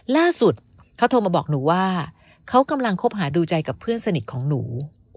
ล่าสุดเขาโทรมาบอกหนูว่าเขากำลังคบหาดูใจกับเพื่อนสนิทของหนู